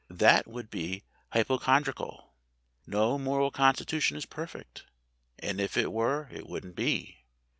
That would be hypochondriacal. No moral con stitution is perfect, and if it were it wouldn't be.